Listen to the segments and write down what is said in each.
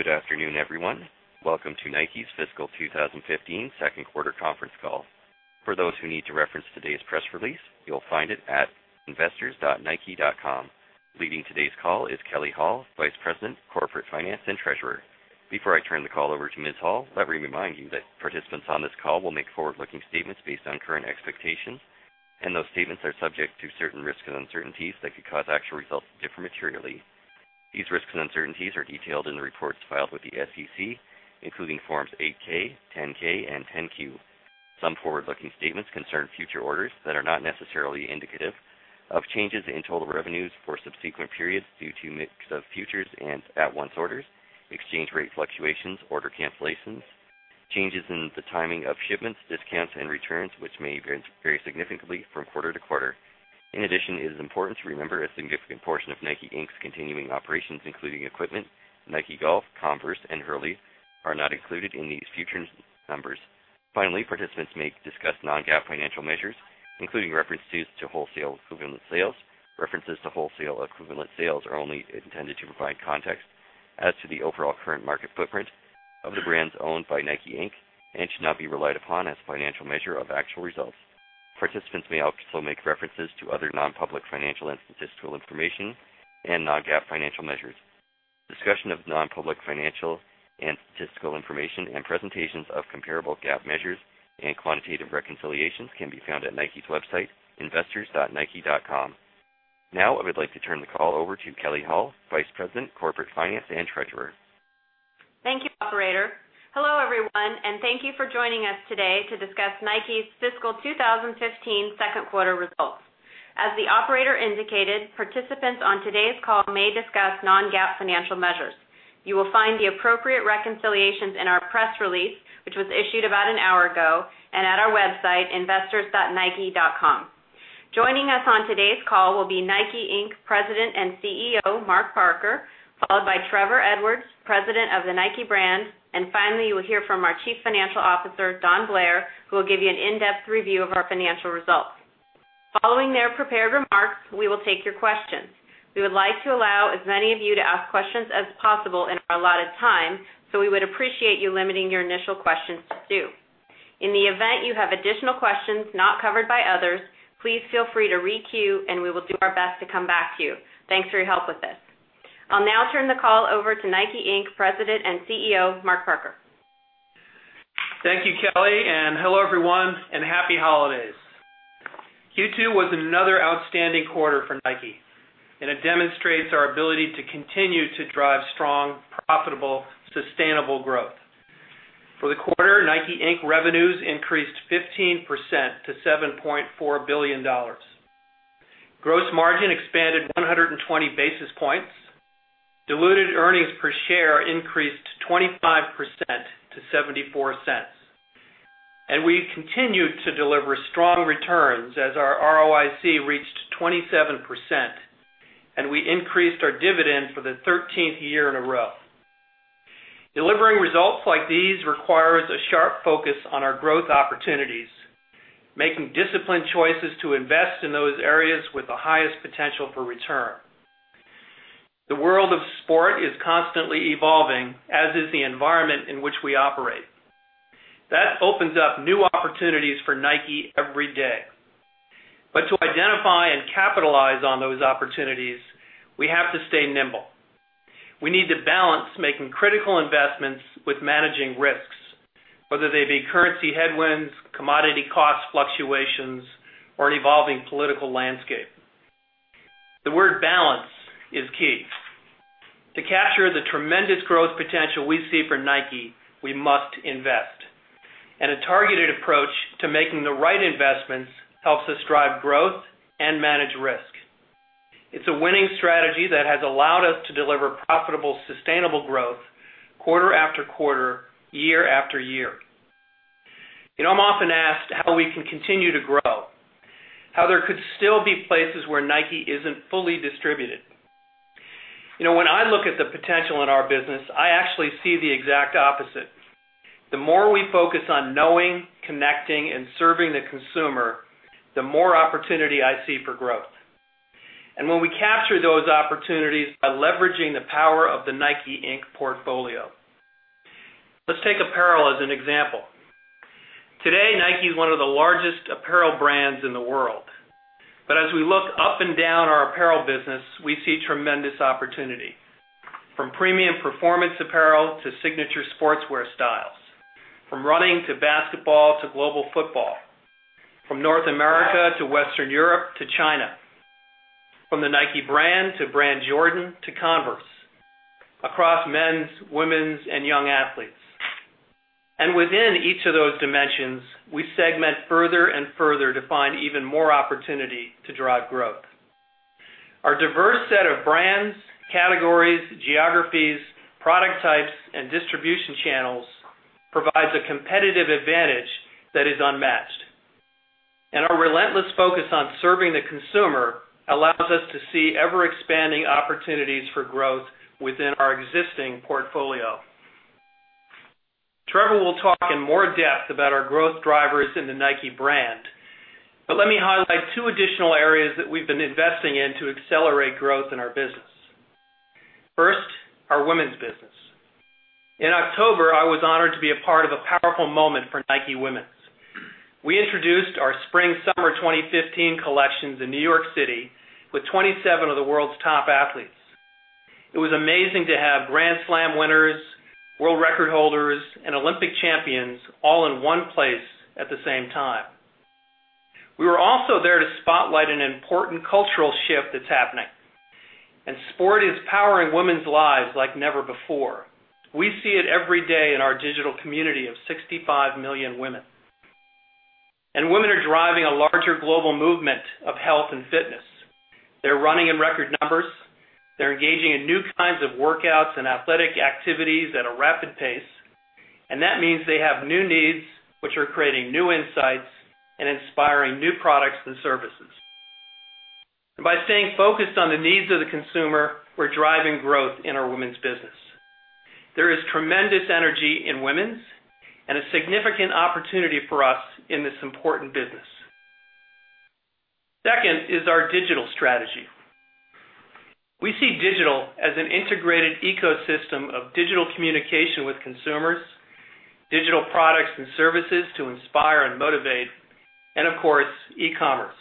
Good afternoon, everyone. Welcome to Nike's Fiscal 2015 Second Quarter Conference Call. For those who need to reference today's press release, you'll find it at investors.nike.com. Leading today's call is Kelley Hall, Vice President, Corporate Finance, and Treasurer. Before I turn the call over to Ms. Hall, let me remind you that participants on this call will make forward-looking statements based on current expectations, and those statements are subject to certain risks and uncertainties that could cause actual results to differ materially. These risks and uncertainties are detailed in the reports filed with the SEC, including Forms 8-K, 10-K, and 10-Q. Some forward-looking statements concern future orders that are not necessarily indicative of changes in total revenues for subsequent periods due to mix of futures and at-once orders, exchange rate fluctuations, order cancellations, changes in the timing of shipments, discounts, and returns, which may vary significantly from quarter to quarter. In addition, it is important to remember a significant portion of Nike, Inc.'s continuing operations, including Equipment, Nike Golf, Converse, and Hurley, are not included in these futures numbers. Finally, participants may discuss non-GAAP financial measures, including references to wholesale equivalent sales. References to wholesale equivalent sales are only intended to provide context as to the overall current market footprint of the brands owned by Nike, Inc., and should not be relied upon as financial measure of actual results. Participants may also make references to other non-public financial and statistical information and non-GAAP financial measures. Discussion of non-public financial and statistical information and presentations of comparable GAAP measures and quantitative reconciliations can be found at Nike's website, investors.nike.com. I would like to turn the call over to Kelley Hall, Vice President, Corporate Finance, and Treasurer. Thank you, operator. Hello, everyone, and thank you for joining us today to discuss Nike's fiscal 2015 second quarter results. As the operator indicated, participants on today's call may discuss non-GAAP financial measures. You will find the appropriate reconciliations in our press release, which was issued about an hour ago, and at our website, investors.nike.com. Joining us on today's call will be Nike, Inc., President and CEO, Mark Parker, followed by Trevor Edwards, President of the Nike brand, and finally, you will hear from our Chief Financial Officer, Don Blair, who will give you an in-depth review of our financial results. Following their prepared remarks, we will take your questions. We would like to allow as many of you to ask questions as possible in our allotted time, we would appreciate you limiting your initial questions to two. In the event you have additional questions not covered by others, please feel free to re-queue, we will do our best to come back to you. Thanks for your help with this. I'll now turn the call over to Nike, Inc., President and CEO, Mark Parker. Thank you, Kelley, and hello, everyone, and Happy Holidays. Q2 was another outstanding quarter for Nike, and it demonstrates our ability to continue to drive strong, profitable, sustainable growth. For the quarter, Nike, Inc. revenues increased 15% to $7.4 billion. Gross margin expanded 120 basis points. Diluted earnings per share increased 25% to $0.74. We continued to deliver strong returns as our ROIC reached 27%, we increased our dividend for the 13th year in a row. Delivering results like these requires a sharp focus on our growth opportunities, making disciplined choices to invest in those areas with the highest potential for return. The world of sport is constantly evolving, as is the environment in which we operate. That opens up new opportunities for Nike every day. To identify and capitalize on those opportunities, we have to stay nimble. We need to balance making critical investments with managing risks, whether they be currency headwinds, commodity cost fluctuations, or an evolving political landscape. The word balance is key. To capture the tremendous growth potential we see for Nike, we must invest. A targeted approach to making the right investments helps us drive growth and manage risk. It's a winning strategy that has allowed us to deliver profitable, sustainable growth quarter after quarter, year after year. I'm often asked how we can continue to grow, how there could still be places where Nike isn't fully distributed. When I look at the potential in our business, I actually see the exact opposite. The more we focus on knowing, connecting, and serving the consumer, the more opportunity I see for growth. When we capture those opportunities by leveraging the power of the Nike, Inc. portfolio. Let's take apparel as an example. Today, Nike is one of the largest apparel brands in the world. As we look up and down our apparel business, we see tremendous opportunity. From premium performance apparel to signature sportswear styles, from running to basketball to global football, from North America to Western Europe to China, from the Nike brand to Brand Jordan to Converse, across men's, women's, and young athletes. Within each of those dimensions, we segment further and further to find even more opportunity to drive growth. Our diverse set of brands, categories, geographies, product types, and distribution channels provides a competitive advantage that is unmatched. Our relentless focus on serving the consumer allows us to see ever-expanding opportunities for growth within our existing portfolio Trevor will talk in more depth about our growth drivers in the Nike brand. Let me highlight two additional areas that we've been investing in to accelerate growth in our business. First, our women's business. In October, I was honored to be a part of a powerful moment for Nike Women's. We introduced our Spring/Summer 2015 collections in New York City with 27 of the world's top athletes. It was amazing to have Grand Slam winners, world record holders, and Olympic champions all in one place at the same time. We were also there to spotlight an important cultural shift that's happening, sport is powering women's lives like never before. We see it every day in our digital community of 65 million women. Women are driving a larger global movement of health and fitness. They're running in record numbers. They're engaging in new kinds of workouts and athletic activities at a rapid pace, that means they have new needs, which are creating new insights and inspiring new products and services. By staying focused on the needs of the consumer, we're driving growth in our women's business. There is tremendous energy in women's and a significant opportunity for us in this important business. Second is our digital strategy. We see digital as an integrated ecosystem of digital communication with consumers, digital products and services to inspire and motivate, of course, e-commerce.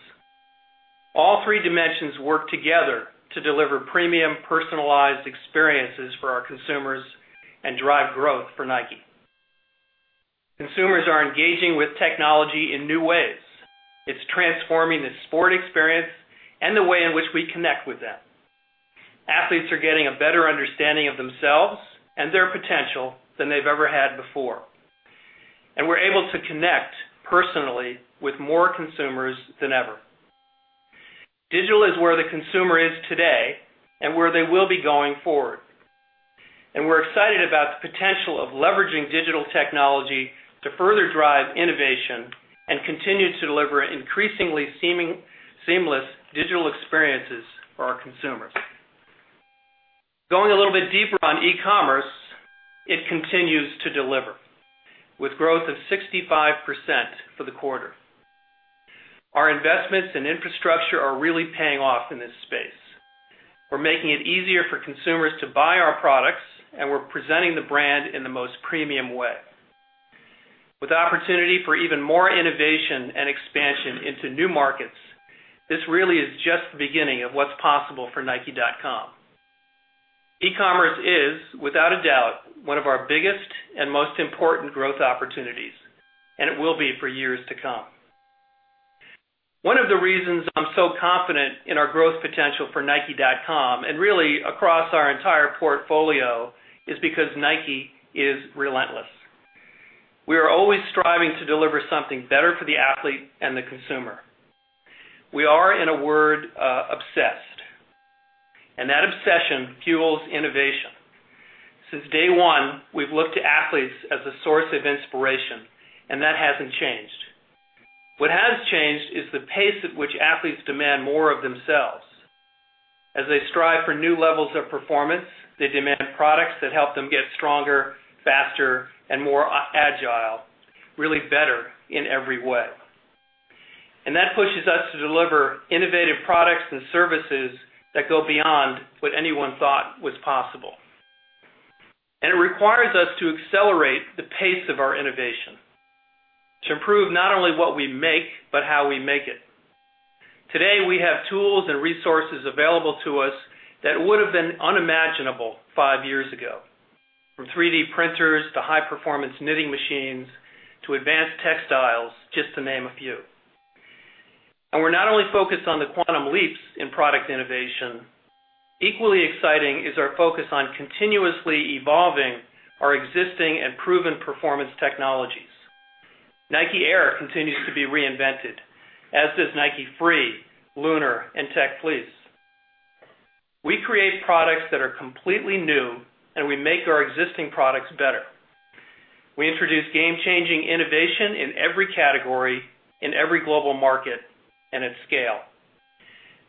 All three dimensions work together to deliver premium, personalized experiences for our consumers and drive growth for Nike. Consumers are engaging with technology in new ways. It's transforming the sport experience and the way in which we connect with them. Athletes are getting a better understanding of themselves and their potential than they've ever had before. We're able to connect personally with more consumers than ever. Digital is where the consumer is today and where they will be going forward. We're excited about the potential of leveraging digital technology to further drive innovation and continue to deliver increasingly seamless digital experiences for our consumers. Going a little bit deeper on e-commerce, it continues to deliver, with growth of 65% for the quarter. Our investments in infrastructure are really paying off in this space. We're making it easier for consumers to buy our products, we're presenting the brand in the most premium way. With opportunity for even more innovation and expansion into new markets, this really is just the beginning of what's possible for nike.com. E-commerce is, without a doubt, one of our biggest and most important growth opportunities, it will be for years to come. One of the reasons I'm so confident in our growth potential for nike.com and really across our entire portfolio is because Nike is relentless. We are always striving to deliver something better for the athlete and the consumer. We are, in a word, obsessed, that obsession fuels innovation. Since day one, we've looked to athletes as a source of inspiration, that hasn't changed. What has changed is the pace at which athletes demand more of themselves. As they strive for new levels of performance, they demand products that help them get stronger, faster, and more agile, really better in every way. That pushes us to deliver innovative products and services that go beyond what anyone thought was possible. It requires us to accelerate the pace of our innovation, to improve not only what we make, but how we make it. Today, we have tools and resources available to us that would've been unimaginable five years ago, from 3D printers to high-performance knitting machines to advanced textiles, just to name a few. We're not only focused on the quantum leaps in product innovation. Equally exciting is our focus on continuously evolving our existing and proven performance technologies. Nike Air continues to be reinvented, as does Nike Free, Lunar, and Tech Fleece. We create products that are completely new, we make our existing products better. We introduce game-changing innovation in every category, in every global market, at scale.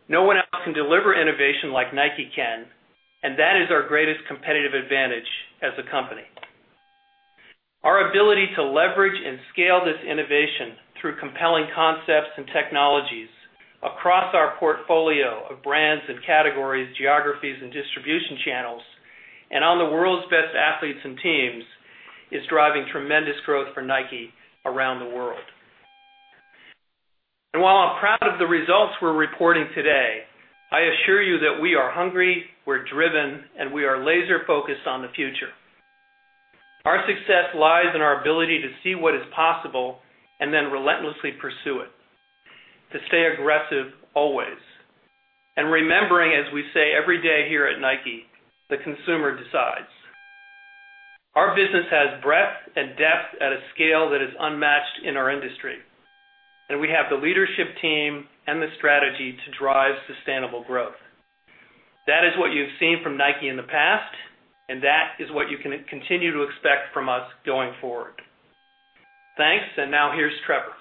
No one else can deliver innovation like Nike can, that is our greatest competitive advantage as a company. Our ability to leverage and scale this innovation through compelling concepts and technologies across our portfolio of brands and categories, geographies, and distribution channels, and on the world's best athletes and teams, is driving tremendous growth for Nike around the world. While I'm proud of the results we're reporting today, I assure you that we are hungry, we're driven, and we are laser focused on the future. Our success lies in our ability to see what is possible and then relentlessly pursue it. To stay aggressive always. Remembering, as we say every day here at Nike, the consumer decides. Our business has breadth and depth at a scale that is unmatched in our industry, and we have the leadership team and the strategy to drive sustainable growth. That is what you've seen from Nike in the past, and that is what you can continue to expect from us going forward. Thanks, and now here's Trevor.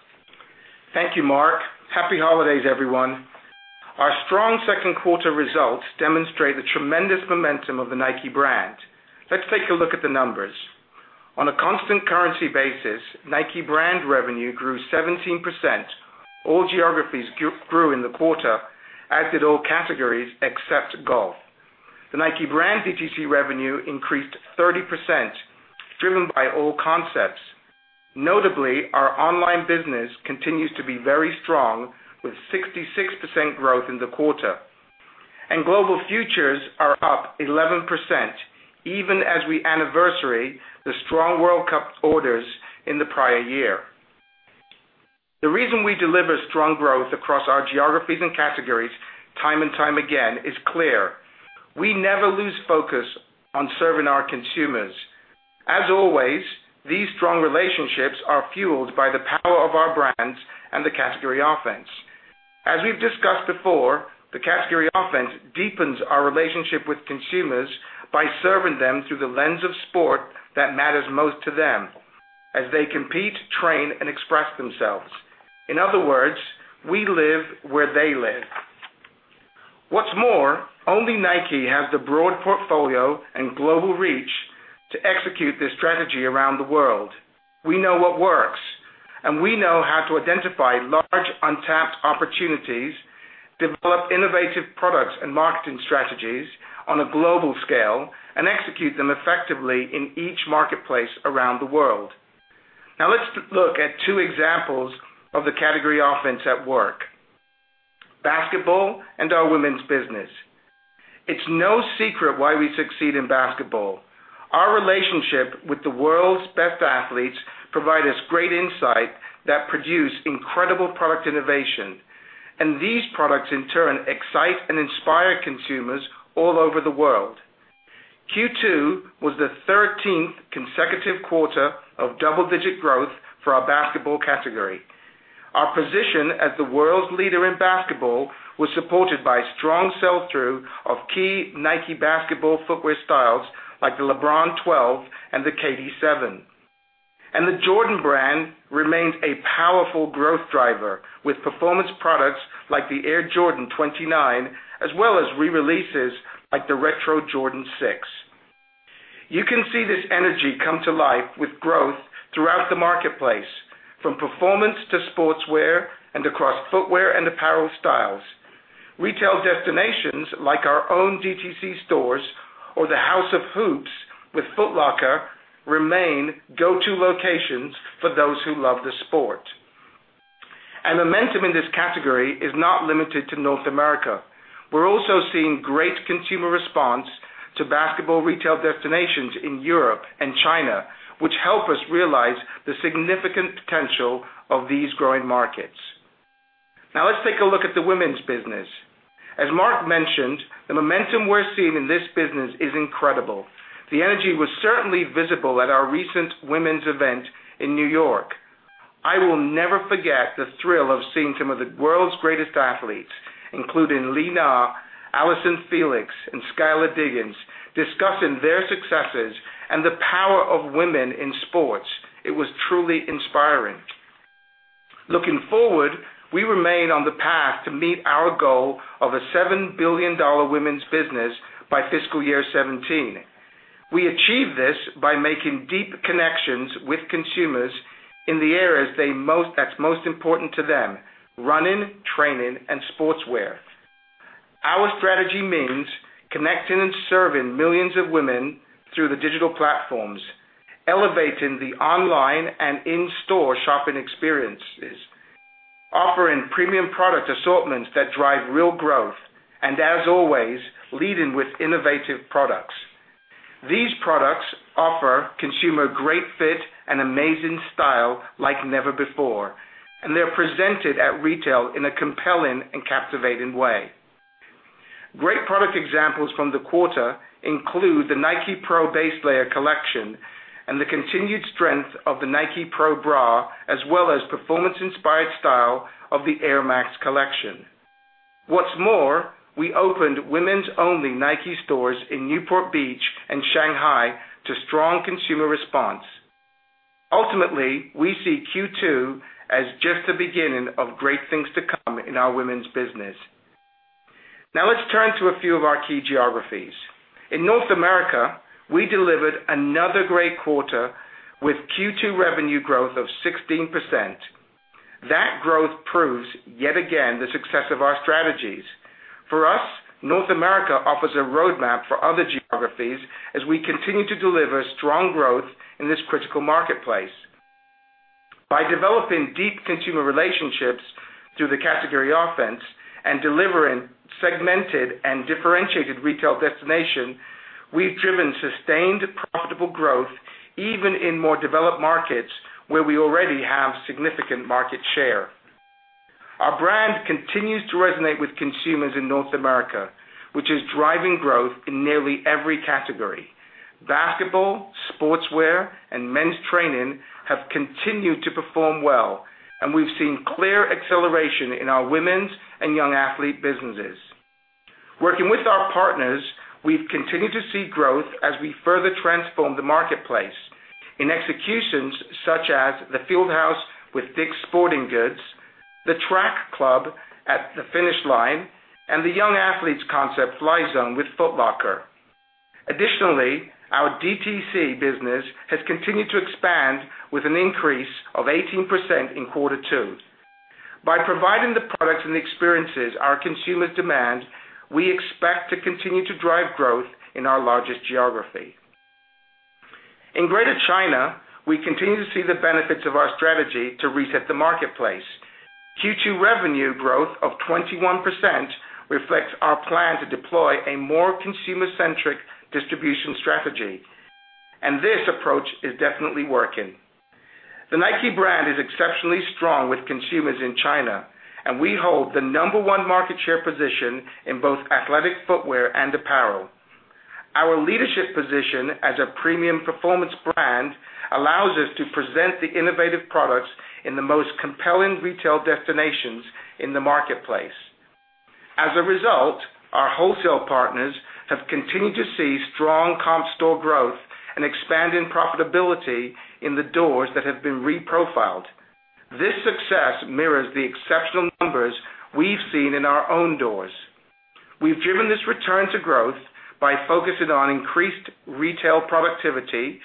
Thank you, Mark. Happy holidays, everyone. Our strong second quarter results demonstrate the tremendous momentum of the Nike brand. Let's take a look at the numbers. On a constant currency basis, Nike brand revenue grew 17%. All geographies grew in the quarter, as did all categories except golf. The Nike brand DTC revenue increased 30%, driven by all concepts. Notably, our online business continues to be very strong, with 66% growth in the quarter. Global futures are up 11%, even as we anniversary the strong World Cup orders in the prior year. The reason we deliver strong growth across our geographies and categories time and time again is clear. We never lose focus on serving our consumers. As always, these strong relationships are fueled by the power of our brands and the category offense. As we've discussed before, the category offense deepens our relationship with consumers by serving them through the lens of sport that matters most to them as they compete, train, and express themselves. In other words, we live where they live. What's more, only Nike has the broad portfolio and global reach to execute this strategy around the world. We know what works, and we know how to identify large, untapped opportunities, develop innovative products and marketing strategies on a global scale, and execute them effectively in each marketplace around the world. Now let's look at two examples of the category offense at work: basketball and our women's business. It's no secret why we succeed in basketball. Our relationship with the world's best athletes provide us great insight that produce incredible product innovation. These products, in turn, excite and inspire consumers all over the world. Q2 was the 13th consecutive quarter of double-digit growth for our basketball category. Our position as the world's leader in basketball was supported by strong sell-through of key Nike basketball footwear styles, like the LeBron 12 and the KD 7. The Jordan brand remains a powerful growth driver, with performance products like the Air Jordan 29, as well as re-releases, like the Air Jordan 6 Retro. You can see this energy come to life with growth throughout the marketplace, from performance to sportswear and across footwear and apparel styles. Retail destinations like our own DTC stores or the House of Hoops with Foot Locker remain go-to locations for those who love the sport. Momentum in this category is not limited to North America. We're also seeing great consumer response to basketball retail destinations in Europe and China, which help us realize the significant potential of these growing markets. Now let's take a look at the women's business. As Mark mentioned, the momentum we're seeing in this business is incredible. The energy was certainly visible at our recent women's event in New York. I will never forget the thrill of seeing some of the world's greatest athletes, including Li Na, Allyson Felix, and Skylar Diggins, discussing their successes and the power of women in sports. It was truly inspiring. Looking forward, we remain on the path to meet our goal of a $7 billion women's business by fiscal year 2017. We achieve this by making deep connections with consumers in the areas that's most important to them, running, training, and sportswear. Our strategy means connecting and serving millions of women through the digital platforms, elevating the online and in-store shopping experiences, offering premium product assortments that drive real growth, and as always, leading with innovative products. These products offer consumer great fit and amazing style like never before, and they're presented at retail in a compelling and captivating way. Great product examples from the quarter include the Nike Pro base layer collection and the continued strength of the Nike Pro Bra, as well as performance-inspired style of the Air Max collection. What's more, we opened women's-only Nike stores in Newport Beach and Shanghai to strong consumer response. Ultimately, we see Q2 as just the beginning of great things to come in our women's business. Now let's turn to a few of our key geographies. In North America, we delivered another great quarter with Q2 revenue growth of 16%. That growth proves yet again the success of our strategies. For us, North America offers a roadmap for other geographies as we continue to deliver strong growth in this critical marketplace. By developing deep consumer relationships through the category offense and delivering segmented and differentiated retail destination, we've driven sustained, profitable growth, even in more developed markets where we already have significant market share. Our brand continues to resonate with consumers in North America, which is driving growth in nearly every category. Basketball, sportswear, and men's training have continued to perform well, and we've seen clear acceleration in our women's and young athlete businesses. Working with our partners, we've continued to see growth as we further transform the marketplace in executions such as the Field House with Dick's Sporting Goods, the Track Club at the Finish Line, and the Young Athletes concept, Fly Zone, with Foot Locker. Additionally, our DTC business has continued to expand with an increase of 18% in quarter two. By providing the products and the experiences our consumers demand, we expect to continue to drive growth in our largest geography. In Greater China, we continue to see the benefits of our strategy to reset the marketplace. Q2 revenue growth of 21% reflects our plan to deploy a more consumer-centric distribution strategy. This approach is definitely working. The Nike brand is exceptionally strong with consumers in China, and we hold the number 1 market share position in both athletic footwear and apparel. Our leadership position as a premium performance brand allows us to present the innovative products in the most compelling retail destinations in the marketplace. As a result, our wholesale partners have continued to see strong comp store growth and expanding profitability in the doors that have been reprofiled. This success mirrors the exceptional numbers we've seen in our own doors. We've driven this return to growth by focusing on increased retail productivity,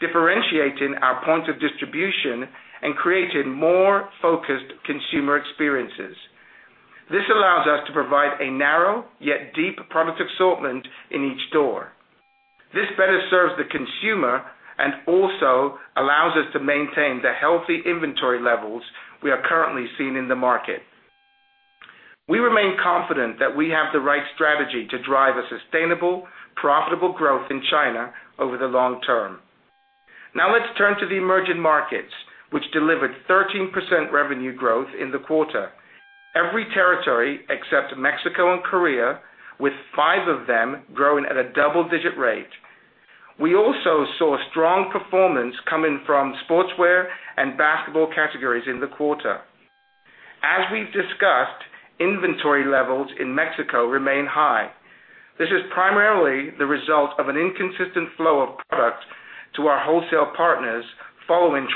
differentiating our points of distribution, and creating more focused consumer experiences. This allows us to provide a narrow yet deep product assortment in each store. This better serves the consumer and also allows us to maintain the healthy inventory levels we are currently seeing in the market. We remain confident that we have the right strategy to drive a sustainable, profitable growth in China over the long term. Let's turn to the emerging markets, which delivered 13% revenue growth in the quarter. Every territory, except Mexico and Korea, with five of them growing at a double-digit rate. We also saw strong performance coming from sportswear and basketball categories in the quarter. As we've discussed, inventory levels in Mexico remain high. This is primarily the result of an inconsistent flow of product to our wholesale partners following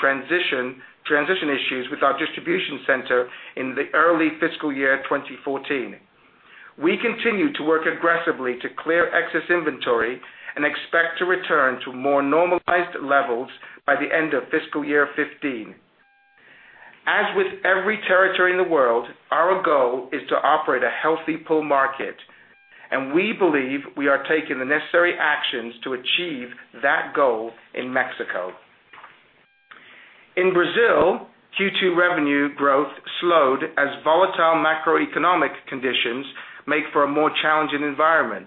transition issues with our distribution center in the early fiscal year 2014. We continue to work aggressively to clear excess inventory and expect to return to more normalized levels by the end of fiscal year 2015. As with every territory in the world, our goal is to operate a healthy pull market, and we believe we are taking the necessary actions to achieve that goal in Mexico. In Brazil, Q2 revenue growth slowed as volatile macroeconomic conditions make for a more challenging environment.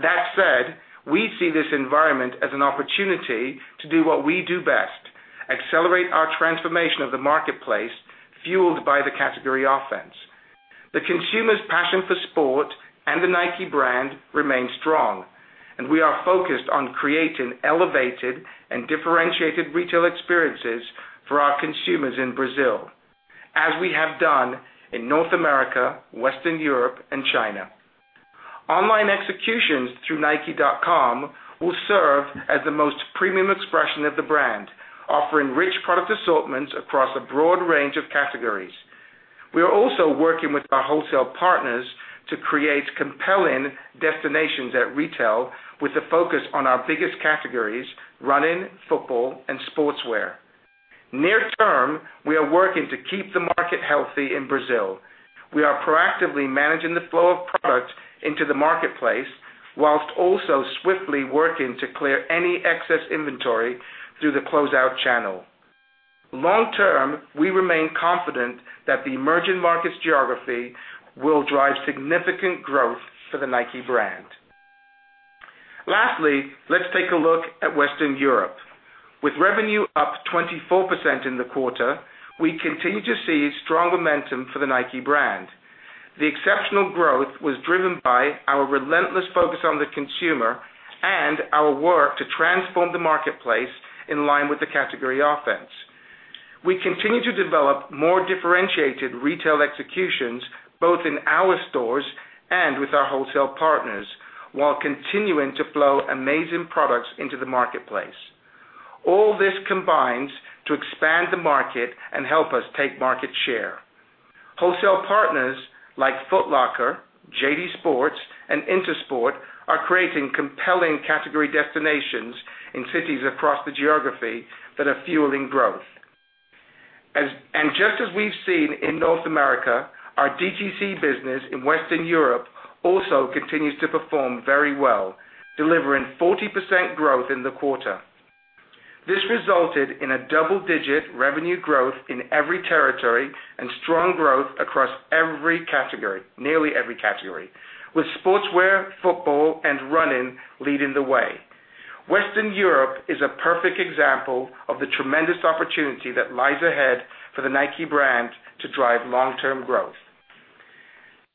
That said, we see this environment as an opportunity to do what we do best, accelerate our transformation of the marketplace fueled by the category offense. The consumer's passion for sport and the Nike brand remain strong, and we are focused on creating elevated and differentiated retail experiences for our consumers in Brazil, as we have done in North America, Western Europe, and China. Online executions through nike.com will serve as the most premium expression of the brand, offering rich product assortments across a broad range of categories. We are also working with our wholesale partners to create compelling destinations at retail with a focus on our biggest categories, running, football, and sportswear. Near term, we are working to keep the market healthy in Brazil. We are proactively managing the flow of product into the marketplace whilst also swiftly working to clear any excess inventory through the closeout channel. Long term, we remain confident that the emerging markets geography will drive significant growth for the Nike brand. Lastly, let's take a look at Western Europe. With revenue up 24% in the quarter, we continue to see strong momentum for the Nike brand. The exceptional growth was driven by our relentless focus on the consumer and our work to transform the marketplace in line with the category offense. We continue to develop more differentiated retail executions, both in our stores and with our wholesale partners while continuing to flow amazing products into the marketplace. All this combines to expand the market and help us take market share. Wholesale partners like Foot Locker, JD Sports, and Intersport are creating compelling category destinations in cities across the geography that are fueling growth. Just as we've seen in North America, our DTC business in Western Europe also continues to perform very well, delivering 40% growth in the quarter. This resulted in a double-digit revenue growth in every territory and strong growth across every category, nearly every category, with sportswear, football, and running leading the way. Western Europe is a perfect example of the tremendous opportunity that lies ahead for the Nike brand to drive long-term growth.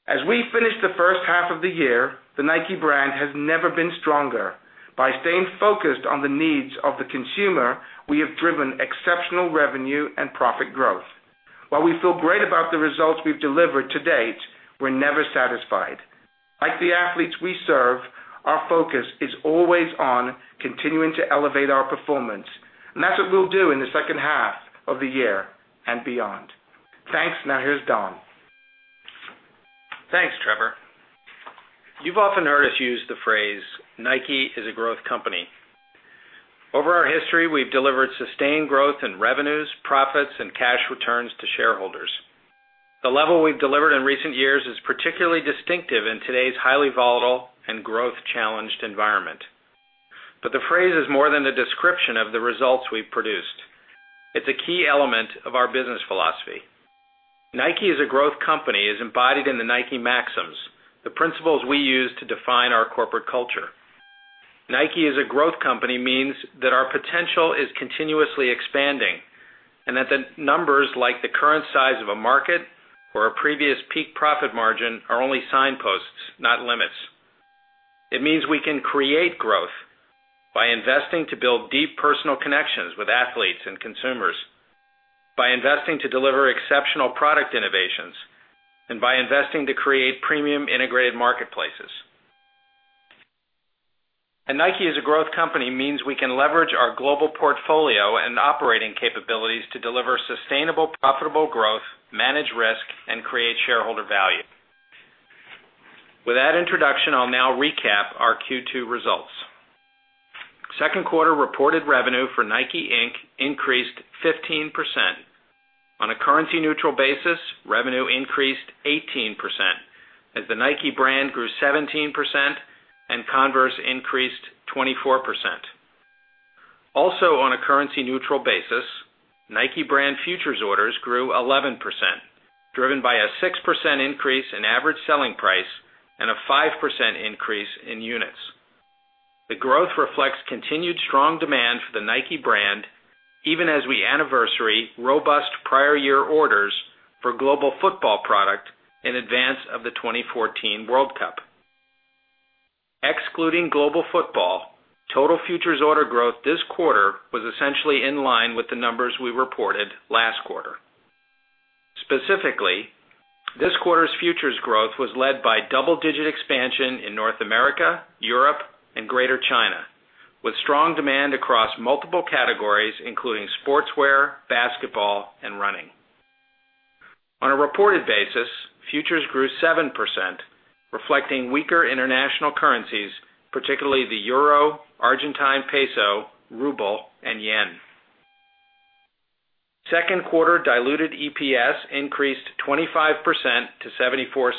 As we finish the first half of the year, the Nike brand has never been stronger. By staying focused on the needs of the consumer, we have driven exceptional revenue and profit growth. While we feel great about the results we've delivered to date, we're never satisfied. Like the athletes we serve, our focus is always on continuing to elevate our performance, that's what we'll do in the second half of the year and beyond. Thanks. Now here's Don. Thanks, Trevor. You've often heard us use the phrase, "Nike is a growth company." Over our history, we've delivered sustained growth in revenues, profits, and cash returns to shareholders. The level we've delivered in recent years is particularly distinctive in today's highly volatile and growth challenged environment. The phrase is more than a description of the results we've produced. It's a key element of our business philosophy. Nike is a growth company is embodied in the Nike maxims, the principles we use to define our corporate culture. Nike is a growth company means that our potential is continuously expanding, that the numbers, like the current size of a market or a previous peak profit margin, are only signposts, not limits. It means we can create growth by investing to build deep personal connections with athletes and consumers, by investing to deliver exceptional product innovations, and by investing to create premium integrated marketplaces. Nike is a growth company means we can leverage our global portfolio and operating capabilities to deliver sustainable, profitable growth, manage risk, and create shareholder value. With that introduction, I'll now recap our Q2 results. Second quarter reported revenue for Nike, Inc. increased 15%. On a currency neutral basis, revenue increased 18%, as the Nike brand grew 17% and Converse increased 24%. Also on a currency neutral basis, Nike brand futures orders grew 11%, driven by a 6% increase in average selling price and a 5% increase in units. The growth reflects continued strong demand for the Nike Brand, even as we anniversary robust prior year orders for global football product in advance of the 2014 World Cup. Excluding global football, total futures order growth this quarter was essentially in line with the numbers we reported last quarter. Specifically, this quarter's futures growth was led by double-digit expansion in North America, Europe, and Greater China, with strong demand across multiple categories, including sportswear, basketball, and running. On a reported basis, futures grew 7%, reflecting weaker international currencies, particularly the euro, Argentine peso, ruble, and yen. Second quarter diluted EPS increased 25% to $0.74,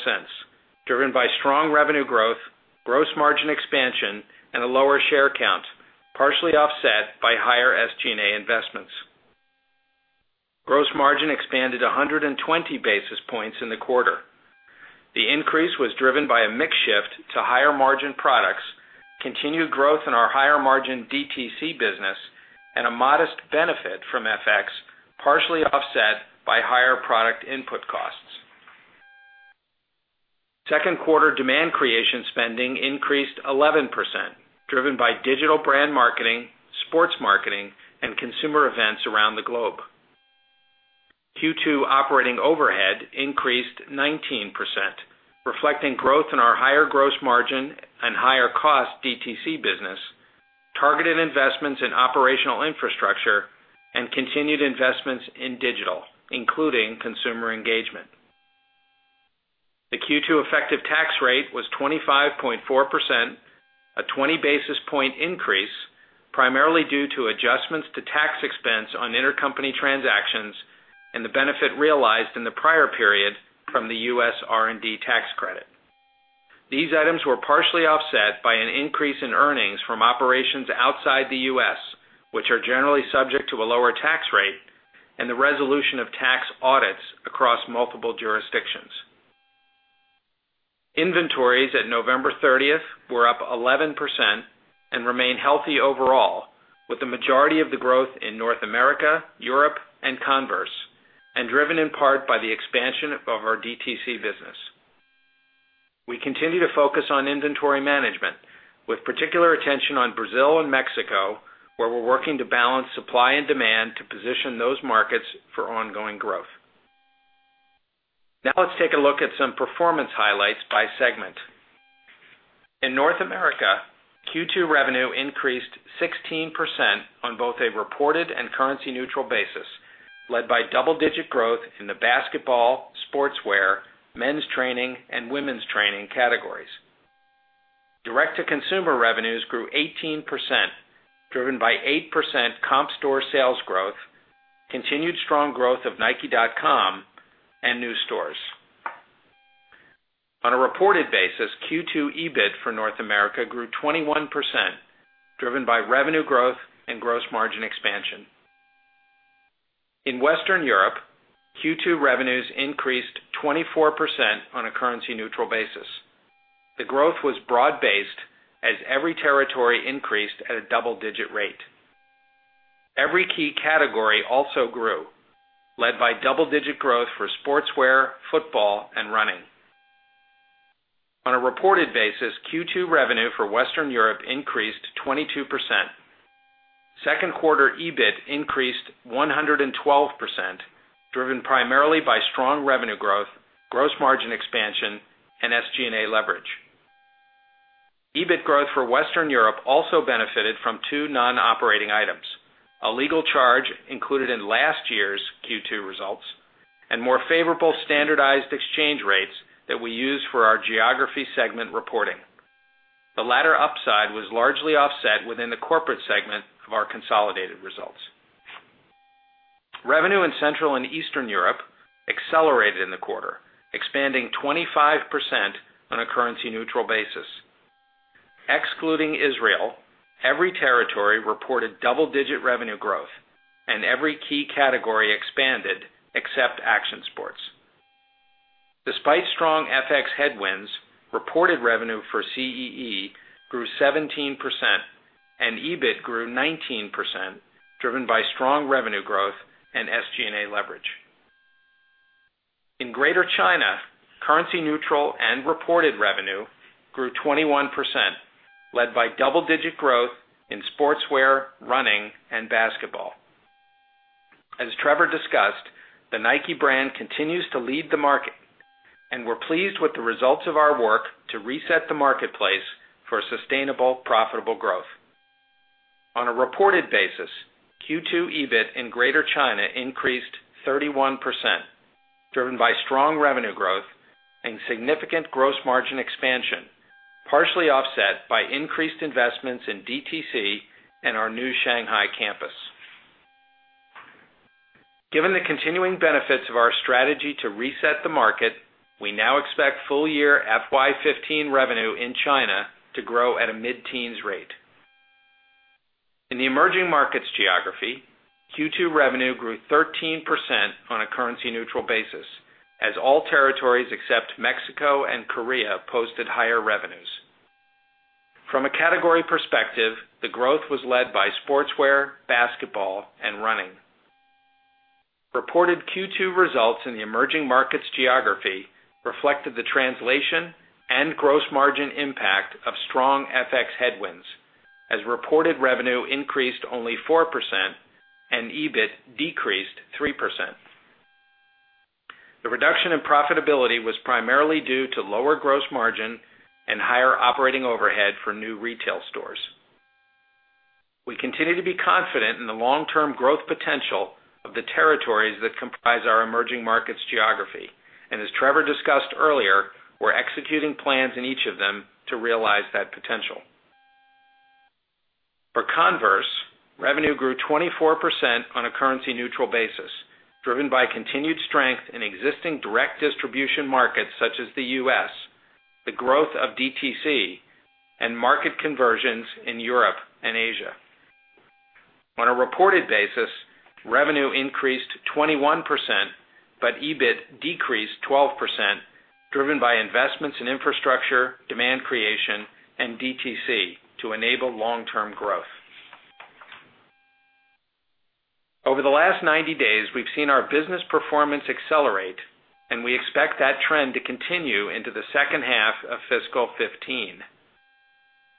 driven by strong revenue growth, gross margin expansion, and a lower share count, partially offset by higher SG&A investments. Gross margin expanded 120 basis points in the quarter. The increase was driven by a mix shift to higher margin products, continued growth in our higher margin DTC business, and a modest benefit from FX, partially offset by higher product input costs. Second quarter demand creation spending increased 11%, driven by digital brand marketing, sports marketing, and consumer events around the globe. Q2 operating overhead increased 19%, reflecting growth in our higher gross margin and higher cost DTC business, targeted investments in operational infrastructure, and continued investments in digital, including consumer engagement. The Q2 effective tax rate was 25.4%, a 20 basis points increase, primarily due to adjustments to tax expense on intercompany transactions and the benefit realized in the prior period from the U.S. R&D tax credit. These items were partially offset by an increase in earnings from operations outside the U.S., which are generally subject to a lower tax rate and the resolution of tax audits across multiple jurisdictions. Inventories at November 30th were up 11% and remain healthy overall with the majority of the growth in North America, Europe, and Converse, and driven in part by the expansion of our DTC business. We continue to focus on inventory management with particular attention on Brazil and Mexico, where we're working to balance supply and demand to position those markets for ongoing growth. Now let's take a look at some performance highlights by segment. In North America, Q2 revenue increased 16% on both a reported and currency neutral basis, led by double-digit growth in the basketball, sportswear, men's training, and women's training categories. Direct-to-consumer revenues grew 18%, driven by 8% comp store sales growth, continued strong growth of nike.com and new stores. On a reported basis, Q2 EBIT for North America grew 21%, driven by revenue growth and gross margin expansion. In Western Europe, Q2 revenues increased 24% on a currency neutral basis. The growth was broad based as every territory increased at a double-digit rate. Every key category also grew, led by double-digit growth for sportswear, football, and running. On a reported basis, Q2 revenue for Western Europe increased 22%. Second quarter EBIT increased 112%, driven primarily by strong revenue growth, gross margin expansion and SG&A leverage. EBIT growth for Western Europe also benefited from two non-operating items, a legal charge included in last year's Q2 results, and more favorable standardized exchange rates that we use for our geography segment reporting. The latter upside was largely offset within the corporate segment of our consolidated results. Revenue in Central and Eastern Europe accelerated in the quarter, expanding 25% on a currency neutral basis. Excluding Israel, every territory reported double-digit revenue growth, and every key category expanded except action sports. Despite strong FX headwinds, reported revenue for CEE grew 17% and EBIT grew 19%, driven by strong revenue growth and SG&A leverage. In Greater China, currency neutral and reported revenue grew 21%, led by double-digit growth in sportswear, running and basketball. As Trevor Edwards discussed, the Nike brand continues to lead the market, and we're pleased with the results of our work to reset the marketplace for sustainable, profitable growth. On a reported basis, Q2 EBIT in Greater China increased 31%, driven by strong revenue growth and significant gross margin expansion, partially offset by increased investments in DTC and our new Shanghai campus. Given the continuing benefits of our strategy to reset the market, we now expect full year FY 2015 revenue in China to grow at a mid-teens rate. In the Emerging Markets Geography, Q2 revenue grew 13% on a currency neutral basis, as all territories except Mexico and Korea posted higher revenues. From a category perspective, the growth was led by sportswear, basketball, and running. Reported Q2 results in the Emerging Markets Geography reflected the translation and gross margin impact of strong FX headwinds, as reported revenue increased only 4% and EBIT decreased 3%. The reduction in profitability was primarily due to lower gross margin and higher operating overhead for new retail stores. We continue to be confident in the long-term growth potential of the territories that comprise our Emerging Markets Geography. As Trevor Edwards discussed earlier, we're executing plans in each of them to realize that potential. For Converse, revenue grew 24% on a currency neutral basis, driven by continued strength in existing direct distribution markets such as the U.S., the growth of DTC, and market conversions in Europe and Asia. On a reported basis, revenue increased 21%, EBIT decreased 12%, driven by investments in infrastructure, demand creation and DTC to enable long-term growth. Over the last 90 days, we've seen our business performance accelerate, and we expect that trend to continue into the second half of fiscal 2015.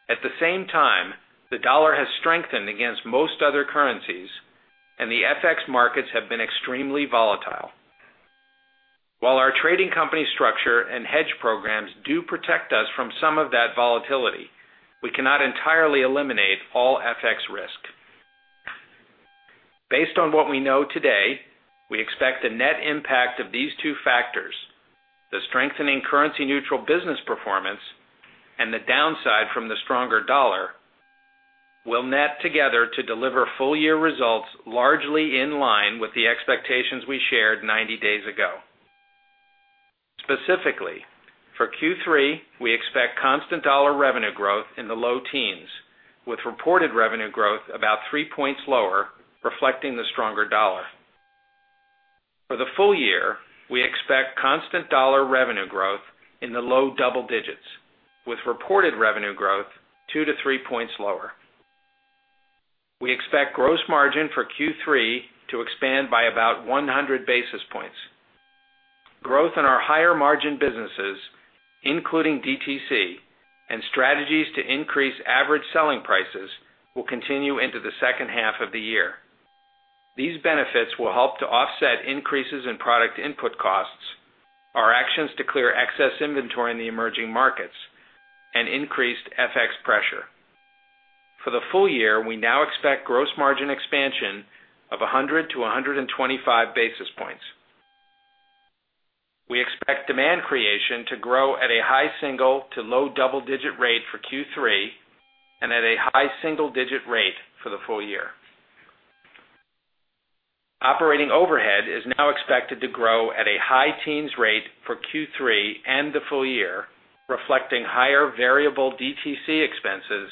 At the same time, the dollar has strengthened against most other currencies, the FX markets have been extremely volatile. While our trading company structure and hedge programs do protect us from some of that volatility, we cannot entirely eliminate all FX risk. Based on what we know today, we expect the net impact of these two factors, the strengthening currency neutral business performance and the downside from the stronger dollar will net together to deliver full year results largely in line with the expectations we shared 90 days ago. Specifically, for Q3, we expect constant dollar revenue growth in the low teens, with reported revenue growth about three points lower, reflecting the stronger dollar. For the full year, we expect constant dollar revenue growth in the low double digits, with reported revenue growth two to three points lower. We expect gross margin for Q3 to expand by about 100 basis points. Growth in our higher margin businesses, including DTC and strategies to increase average selling prices, will continue into the second half of the year. These benefits will help to offset increases in product input costs, our actions to clear excess inventory in the emerging markets, and increased FX pressure. For the full year, we now expect gross margin expansion of 100-125 basis points. We expect demand creation to grow at a high single to low double-digit rate for Q3 and at a high single-digit rate for the full year. Operating overhead is now expected to grow at a high teens rate for Q3 and the full year, reflecting higher variable DTC expenses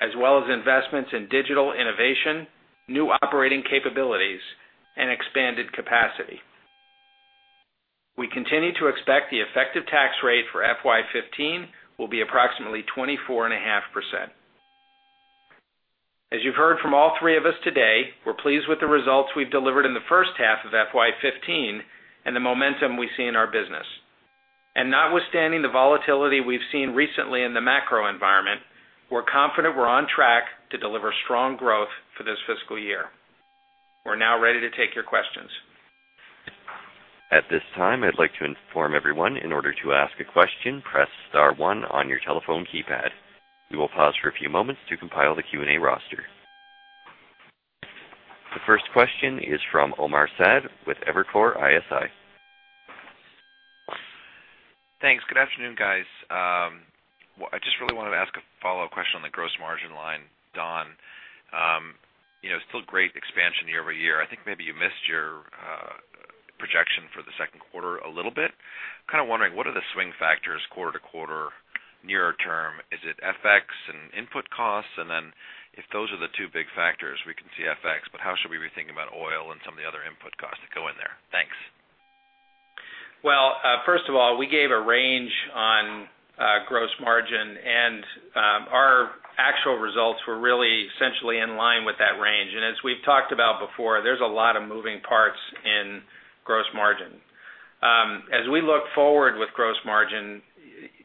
as well as investments in digital innovation, new operating capabilities and expanded capacity. We continue to expect the effective tax rate for FY 2015 will be approximately 24.5%. As you've heard from all three of us today, we're pleased with the results we've delivered in the first half of FY 2015 and the momentum we see in our business. Notwithstanding the volatility we've seen recently in the macro environment, we're confident we're on track to deliver strong growth for this fiscal year. We're now ready to take your questions. At this time, I'd like to inform everyone, in order to ask a question, press star one on your telephone keypad. We will pause for a few moments to compile the Q&A roster. The first question is from Omar Saad with Evercore ISI. Thanks. Good afternoon, guys. I just really wanted to ask a follow-up question on the gross margin line, Don. Still great expansion year-over-year. I think maybe you missed your projection for the second quarter a little bit. Kind of wondering, what are the swing factors quarter-to-quarter, nearer term? Is it FX and input costs? If those are the two big factors, we can see FX, but how should we be thinking about oil and some of the other input costs that go in there? Thanks. Well, first of all, we gave a range on gross margin and our actual results were really essentially in line with that range. As we've talked about before, there's a lot of moving parts in gross margin. As we look forward with gross margin,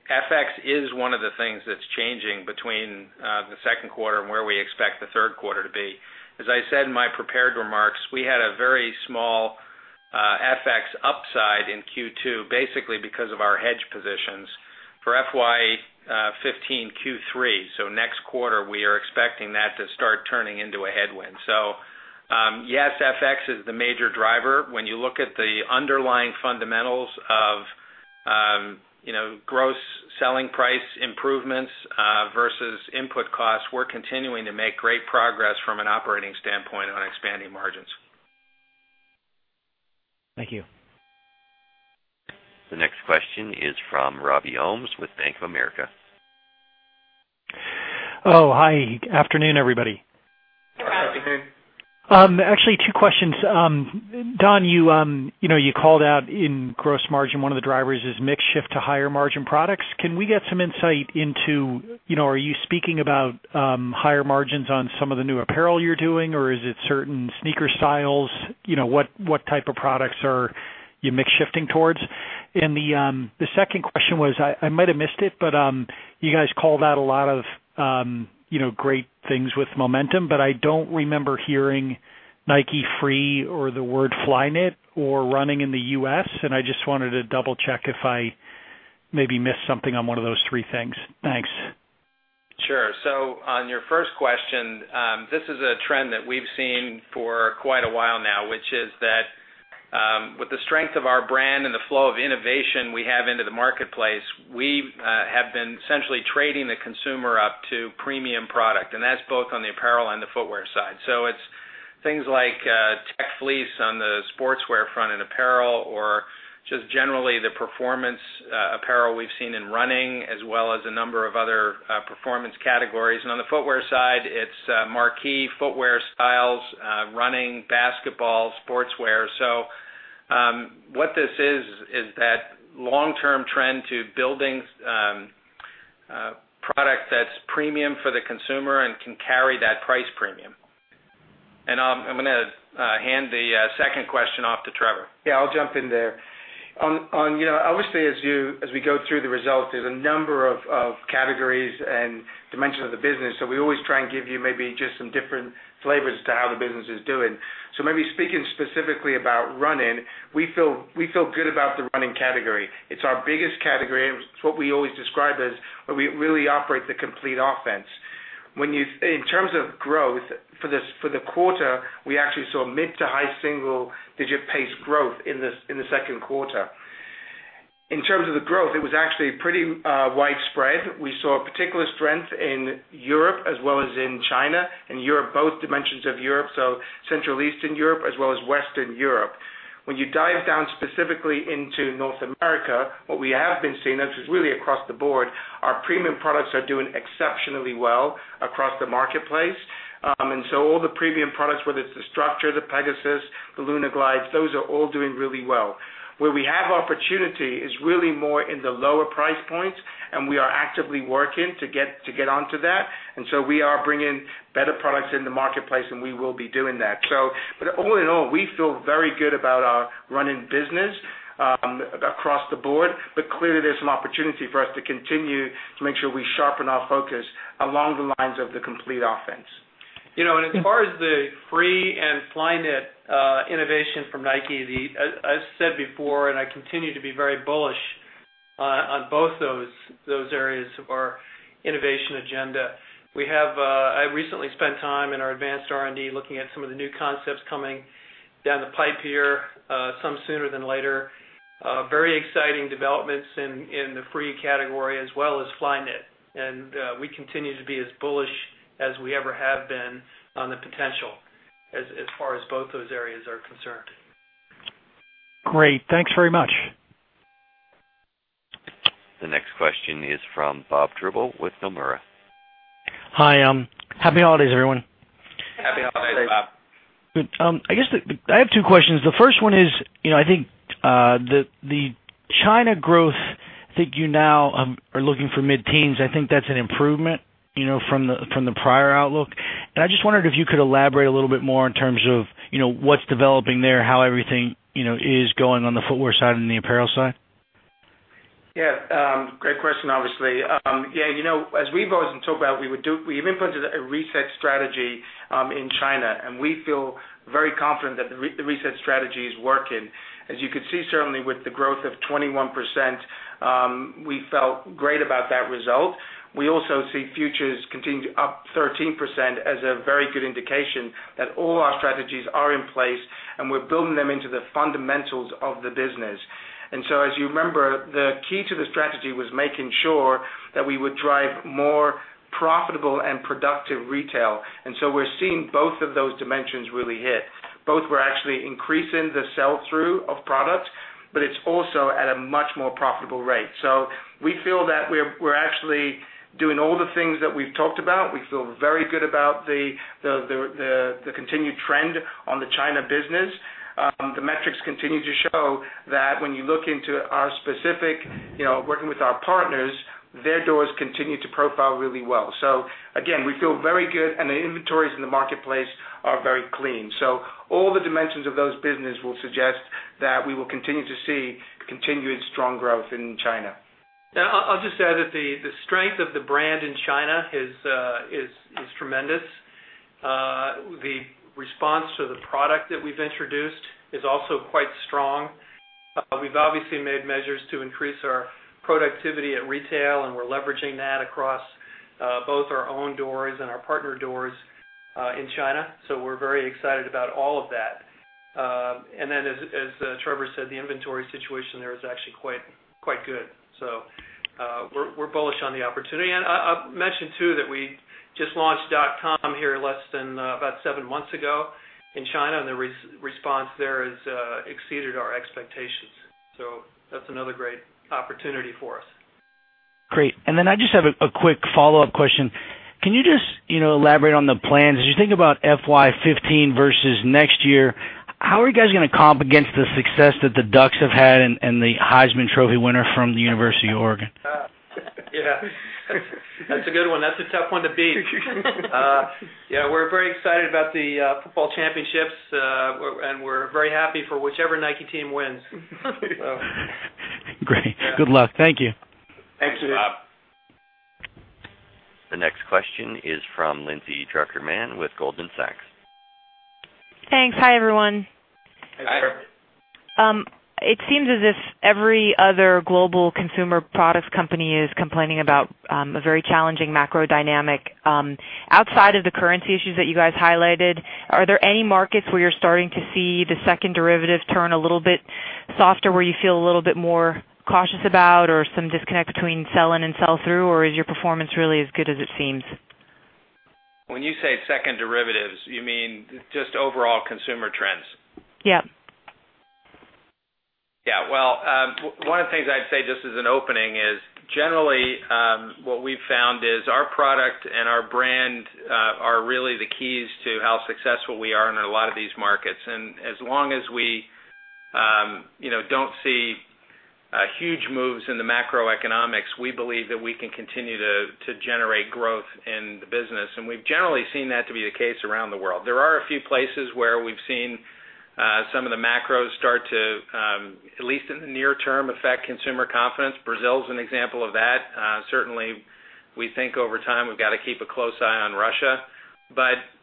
FX is one of the things that's changing between the second quarter and where we expect the third quarter to be. As I said in my prepared remarks, we had a very small FX upside in Q2, basically because of our hedge positions. For FY 2015 Q3, so next quarter, we are expecting that to start turning into a headwind. Yes, FX is the major driver. When you look at the underlying fundamentals of gross selling price improvements versus input costs, we're continuing to make great progress from an operating standpoint on expanding margins. Thank you. The next question is from Robert Ohmes with Bank of America. Hi. Afternoon, everybody. Good afternoon. Actually, two questions. Don, you called out in gross margin, one of the drivers is mix shift to higher margin products. Can we get some insight into, are you speaking about higher margins on some of the new apparel you're doing or is it certain sneaker styles? What type of products are you mix shifting towards? The second question was, I might have missed it, but you guys called out a lot of great things with momentum, but I don't remember hearing Nike Free or the word Flyknit or Running in the U.S., and I just wanted to double-check if I maybe missed something on one of those three things. Thanks. Sure. On your first question, this is a trend that we've seen for quite a while now, which is that with the strength of our brand and the flow of innovation we have into the marketplace, we have been essentially trading the consumer up to premium product, and that's both on the apparel and the footwear side. It's things like Tech Fleece on the sportswear front and apparel or just generally the performance apparel we've seen in running as well as a number of other performance categories. On the footwear side, it's marquee footwear styles, running, basketball, sportswear. What this is that long-term trend to building product that's premium for the consumer and can carry that price premium. I'm going to hand the second question off to Trevor. Yeah, I'll jump in there. Obviously, as we go through the results, there's a number of categories and dimensions of the business, we always try and give you maybe just some different flavors to how the business is doing. Maybe speaking specifically about running, we feel good about the running category. It's our biggest category and it's what we always describe as where we really operate the complete offense. In terms of growth for the quarter, we actually saw mid to high single digit pace growth in the second quarter. In terms of the growth, it was actually pretty widespread. We saw particular strength in Europe as well as in China and Europe, both dimensions of Europe, Central Eastern Europe as well as Western Europe. When you dive down specifically into North America, what we have been seeing, this is really across the board, our premium products are doing exceptionally well across the marketplace. All the premium products, whether it's the Structure, the Pegasus, the LunarGlide, those are all doing really well. Where we have opportunity is really more in the lower price points, and we are actively working to get onto that. We are bringing better products in the marketplace, and we will be doing that. All in all, we feel very good about our running business across the board. Clearly, there's some opportunity for us to continue to make sure we sharpen our focus along the lines of the complete offense. As far as the Free and Flyknit innovation from Nike, I've said before and I continue to be very bullish on both those areas of our innovation agenda. I recently spent time in our advanced R&D looking at some of the new concepts coming down the pipe here, some sooner than later. Very exciting developments in the Free category as well as Flyknit. We continue to be as bullish as we ever have been on the potential as far as both those areas are concerned. Great. Thanks very much. The next question is from Robert Drbul with Nomura. Hi. Happy holidays, everyone. Happy holidays, Bob. Good. I guess I have two questions. The first one is, I think, the China growth, I think you now are looking for mid-teens. I think that's an improvement from the prior outlook. I just wondered if you could elaborate a little bit more in terms of what's developing there, how everything is going on the footwear side and the apparel side. Yeah. Great question, obviously. Yeah, as we've always talked about, we've implemented a reset strategy in China. We feel very confident that the reset strategy is working. As you could see, certainly with the growth of 21%, we felt great about that result. We also see futures continuing up 13% as a very good indication that all our strategies are in place. We're building them into the fundamentals of the business. As you remember, the key to the strategy was making sure that we would drive more profitable and productive retail. We're seeing both of those dimensions really hit. Both were actually increasing the sell-through of product, but it's also at a much more profitable rate. We feel that we're actually doing all the things that we've talked about. We feel very good about the continued trend on the China business. The metrics continue to show that when you look into our specific, working with our partners, their doors continue to profile really well. Again, we feel very good, and the inventories in the marketplace are very clean. All the dimensions of that business will suggest that we will continue to see continued strong growth in China. I'll just add that the strength of the brand in China is tremendous. The response to the product that we've introduced is also quite strong. We've obviously made measures to increase our productivity at retail, and we're leveraging that across both our own doors and our partner doors, in China. We're very excited about all of that. As Trevor said, the inventory situation there is actually quite good. We're bullish on the opportunity. I'll mention too, that we just launched .com here less than about seven months ago in China, and the response there has exceeded our expectations. That's another great opportunity for us. Great. I just have a quick follow-up question. Can you just elaborate on the plans? As you think about FY 2015 versus next year, how are you guys going to comp against the success that the Ducks have had and the Heisman Trophy winner from the University of Oregon? Yeah. That's a good one. That's a tough one to beat. We're very excited about the football championships, and we're very happy for whichever Nike team wins. Great. Good luck. Thank you. Thanks. Thanks. The next question is from Lindsay Drucker Mann with Goldman Sachs. Thanks. Hi, everyone. Hi. Hi. It seems as if every other global consumer products company is complaining about a very challenging macro dynamic. Outside of the currency issues that you guys highlighted, are there any markets where you're starting to see the second derivative turn a little bit softer, where you feel a little bit more cautious about or some disconnect between sell-in and sell-through? Is your performance really as good as it seems? When you say second derivatives, you mean just overall consumer trends? Yep. Yeah. Well, one of the things I'd say just as an opening is generally, what we've found is our product and our brand are really the keys to how successful we are in a lot of these markets. As long as we don't see huge moves in the macroeconomics, we believe that we can continue to generate growth in the business. We've generally seen that to be the case around the world. There are a few places where we've seen some of the macros start to, at least in the near term, affect consumer confidence. Brazil is an example of that. Certainly, we think over time, we've got to keep a close eye on Russia.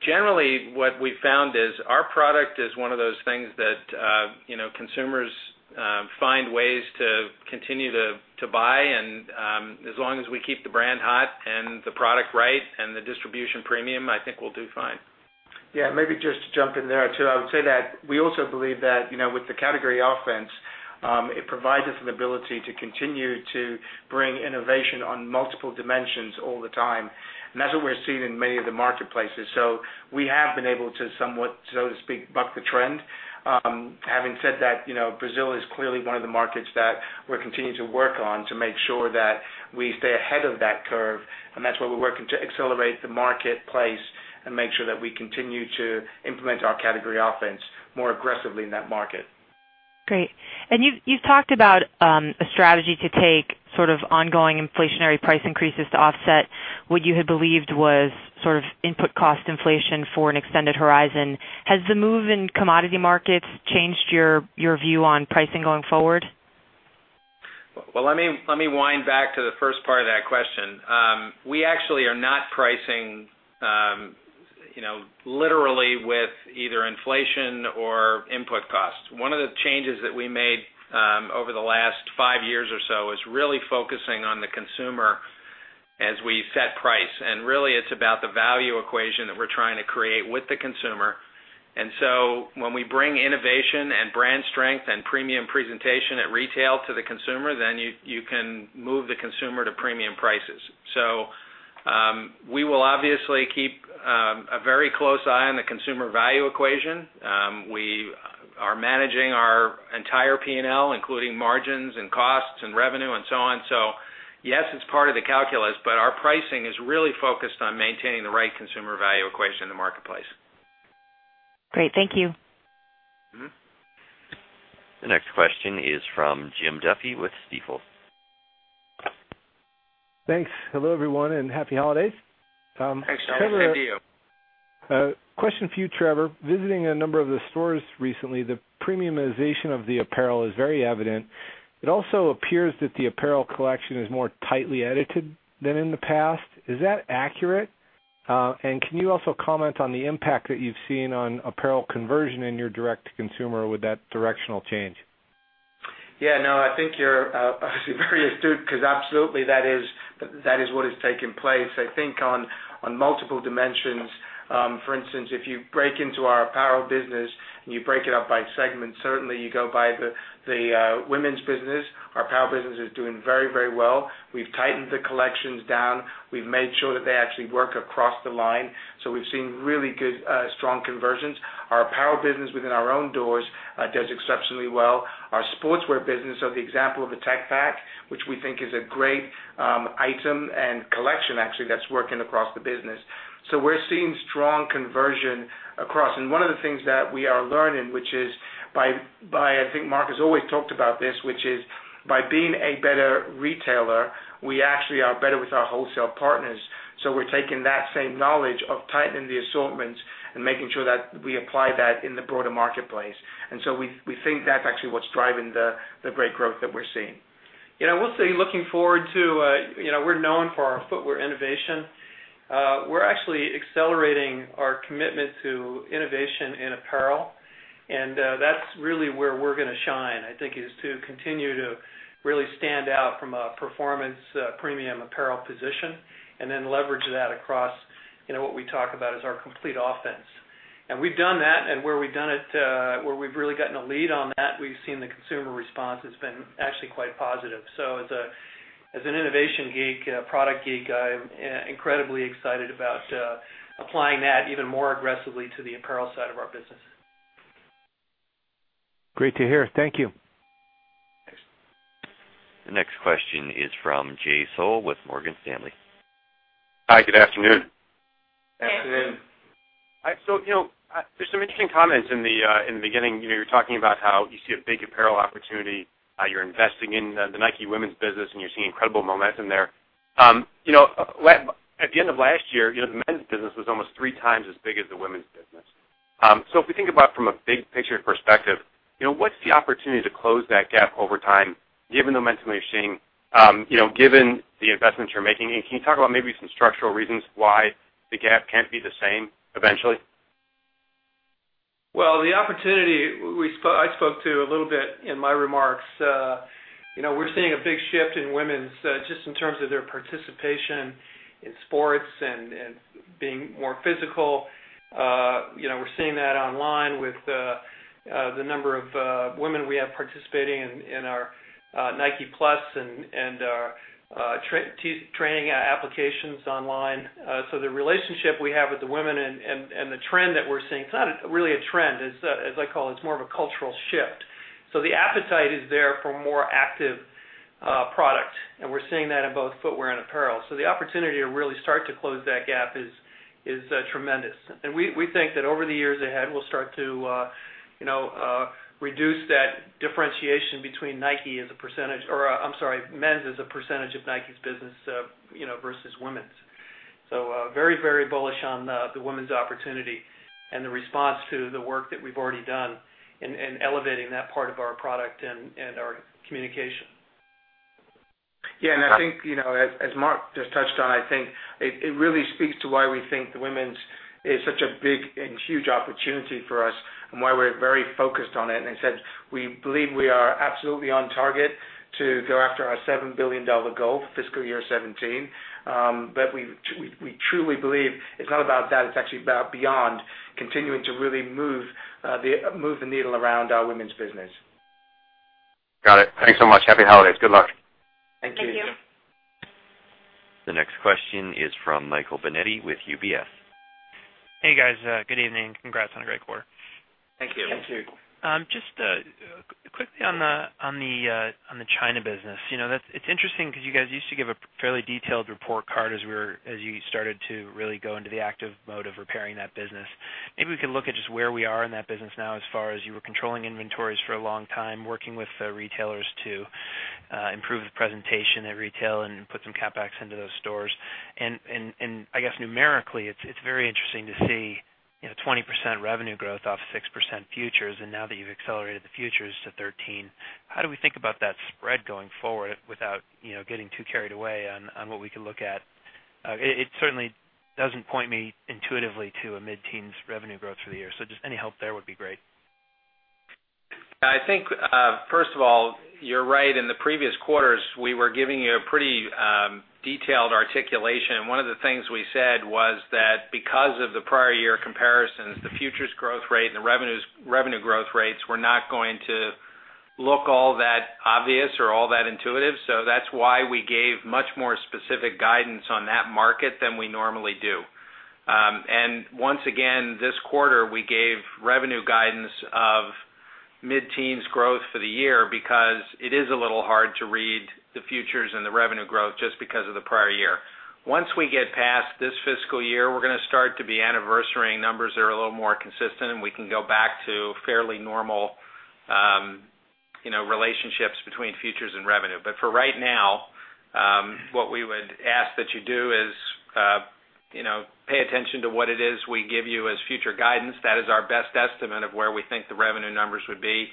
Generally, what we've found is our product is one of those things that consumers find ways to continue to buy. As long as we keep the brand hot and the product right and the distribution premium, I think we'll do fine. Yeah, maybe just to jump in there too. I would say that we also believe that with the category offense, it provides us an ability to continue to bring innovation on multiple dimensions all the time. That's what we're seeing in many of the marketplaces. We have been able to somewhat, so to speak, buck the trend. Having said that, Brazil is clearly one of the markets that we're continuing to work on to make sure that we stay ahead of that curve, and that's why we're working to accelerate the marketplace and make sure that we continue to implement our category offense more aggressively in that market. You've talked about, a strategy to take sort of ongoing inflationary price increases to offset what you had believed was sort of input cost inflation for an extended horizon. Has the move in commodity markets changed your view on pricing going forward? Well, let me wind back to the first part of that question. We actually are not pricing literally with either inflation or input costs. One of the changes that we made over the last five years or so is really focusing on the consumer as we set price. Really, it's about the value equation that we're trying to create with the consumer. When we bring innovation and brand strength and premium presentation at retail to the consumer, then you can move the consumer to premium prices. We will obviously keep a very close eye on the consumer value equation. We- Are managing our entire P&L, including margins and costs and revenue and so on. Yes, it's part of the calculus, but our pricing is really focused on maintaining the right consumer value equation in the marketplace. Great. Thank you. The next question is from Jim Duffy with Stifel. Thanks. Hello, everyone, and happy holidays. Thanks, Jim. Same to you. Question for you, Trevor. Visiting a number of the stores recently, the premiumization of the apparel is very evident. It also appears that the apparel collection is more tightly edited than in the past. Is that accurate? Can you also comment on the impact that you've seen on apparel conversion in your direct-to-consumer with that directional change? Yeah, no, I think you're obviously very astute because absolutely that is what has taken place, I think on multiple dimensions. For instance, if you break into our apparel business and you break it up by segment, certainly you go by the women's business. Our apparel business is doing very well. We've tightened the collections down. We've made sure that they actually work across the line. We've seen really good, strong conversions. Our apparel business within our own doors does exceptionally well. Our sportswear business of the example of a Tech Pack, which we think is a great item and collection, actually, that's working across the business. We're seeing strong conversion across. One of the things that we are learning, which is by, I think Mark has always talked about this, which is by being a better retailer, we actually are better with our wholesale partners. We're taking that same knowledge of tightening the assortments and making sure that we apply that in the broader marketplace. We think that's actually what's driving the great growth that we're seeing. We're known for our footwear innovation. We're actually accelerating our commitment to innovation in apparel, and that's really where we're going to shine, I think, is to continue to really stand out from a performance premium apparel position and then leverage that across what we talk about as our complete offense. We've done that, and where we've really gotten a lead on that, we've seen the consumer response has been actually quite positive. As an innovation geek, a product geek, I'm incredibly excited about applying that even more aggressively to the apparel side of our business. Great to hear. Thank you. Thanks. The next question is from Jay Sole with Morgan Stanley. Hi, good afternoon. Afternoon. There are some interesting comments in the beginning. You're talking about how you see a big apparel opportunity. You're investing in the Nike women's business, and you're seeing incredible momentum there. At the end of last year, the men's business was almost three times as big as the women's business. If we think about from a big picture perspective, what's the opportunity to close that gap over time, given the momentum you're seeing, given the investments you're making? Can you talk about maybe some structural reasons why the gap can't be the same eventually? Well, the opportunity I spoke to a little bit in my remarks. We're seeing a big shift in women's, just in terms of their participation in sports and being more physical. We're seeing that online with the number of women we have participating in our Nike+ and our training applications online. The relationship we have with the women and the trend that we're seeing, it's not really a trend. As I call, it's more of a cultural shift. The appetite is there for more active product, and we're seeing that in both footwear and apparel. The opportunity to really start to close that gap is tremendous. We think that over the years ahead, we'll start to reduce that differentiation between Nike as a percentage, or, I'm sorry, men's as a percentage of Nike's business versus women's. Very bullish on the women's opportunity and the response to the work that we've already done in elevating that part of our product and our communication. I think, as Mark just touched on, I think it really speaks to why we think the women's is such a big and huge opportunity for us and why we're very focused on it. He said, we believe we are absolutely on target to go after our $7 billion goal for fiscal year 2017. We truly believe it's not about that. It's actually about beyond continuing to really move the needle around our women's business. Got it. Thanks so much. Happy holidays. Good luck. Thank you. Thank you. The next question is from Michael Binetti with UBS. Hey, guys. Good evening. Congrats on a great quarter. Thank you. Thank you. Just quickly on the China business. It's interesting because you guys used to give a fairly detailed report card as you started to really go into the active mode of repairing that business. Maybe we can look at just where we are in that business now as far as you were controlling inventories for a long time, working with retailers to improve the presentation at retail and put some CapEx into those stores. I guess numerically, it's very interesting to see 20% revenue growth off 6% futures, and now that you've accelerated the futures to 13, how do we think about that spread going forward without getting too carried away on what we can look at? It certainly doesn't point me intuitively to a mid-teens revenue growth for the year. Just any help there would be great. I think, first of all, you're right. In the previous quarters, we were giving you a pretty detailed articulation. One of the things we said was that because of the prior year comparisons, the futures growth rate and the revenue growth rates were not going to look all that obvious or all that intuitive. That's why we gave much more specific guidance on that market than we normally do. Once again, this quarter, we gave revenue guidance of mid-teens growth for the year because it is a little hard to read the futures and the revenue growth just because of the prior year. Once we get past this fiscal year, we're going to start to be anniversarying numbers that are a little more consistent, and we can go back to fairly normal relationships between futures and revenue. For right now, what we would ask that you do is pay attention to what it is we give you as future guidance. That is our best estimate of where we think the revenue numbers would be.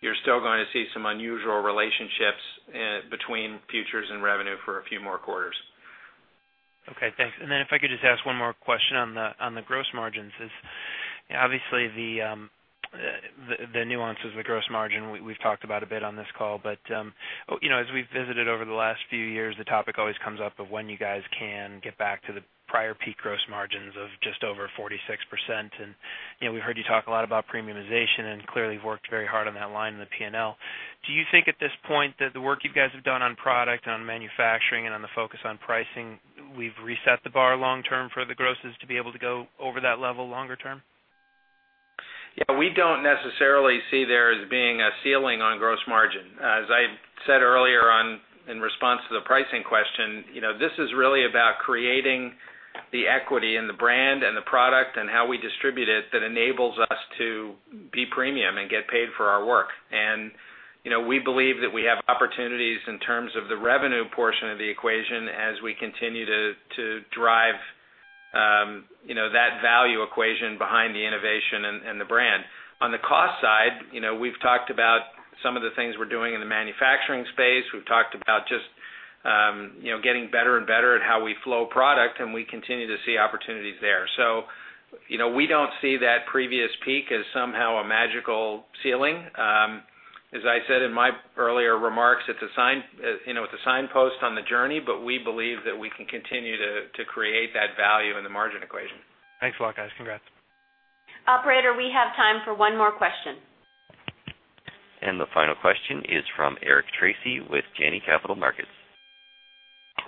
You're still going to see some unusual relationships between futures and revenue for a few more quarters. Okay, thanks. If I could just ask one more question on the gross margins is, obviously the nuances of the gross margin, we've talked about a bit on this call. As we've visited over the last few years, the topic always comes up of when you guys can get back to the prior peak gross margins of just over 46%. We've heard you talk a lot about premiumization and clearly worked very hard on that line in the P&L. Do you think at this point that the work you guys have done on product, on manufacturing, and on the focus on pricing, we've reset the bar long term for the grosses to be able to go over that level longer term? Yeah, we don't necessarily see there as being a ceiling on gross margin. As I said earlier in response to the pricing question, this is really about creating the equity in the brand and the product and how we distribute it that enables us to be premium and get paid for our work. We believe that we have opportunities in terms of the revenue portion of the equation as we continue to drive that value equation behind the innovation and the brand. On the cost side, we've talked about some of the things we're doing in the manufacturing space. We've talked about just getting better and better at how we flow product, and we continue to see opportunities there. We don't see that previous peak as somehow a magical ceiling. As I said in my earlier remarks, it's a signpost on the journey, but we believe that we can continue to create that value in the margin equation. Thanks a lot, guys. Congrats. Operator, we have time for one more question. The final question is from Eric Tracy with Janney Capital Markets.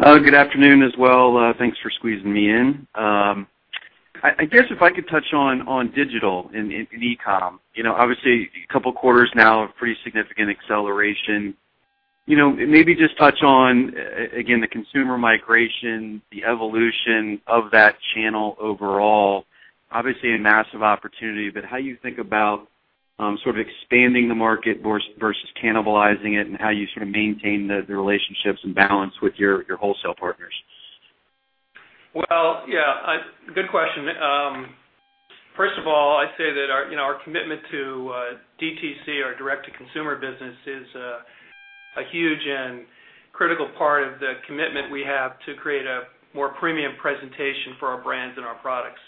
Good afternoon as well. Thanks for squeezing me in. I guess if I could touch on digital and e-com. Obviously, a couple of quarters now of pretty significant acceleration. Maybe just touch on, again, the consumer migration, the evolution of that channel overall. Obviously, a massive opportunity, but how you think about sort of expanding the market versus cannibalizing it and how you sort of maintain the relationships and balance with your wholesale partners. Well, yeah. Good question. First of all, I'd say that our commitment to DTC, our direct-to-consumer business, is a huge and critical part of the commitment we have to create a more premium presentation for our brands and our products.